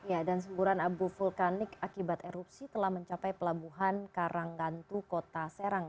ya dan semburan abu vulkanik akibat erupsi telah mencapai pelabuhan karanggantu kota serang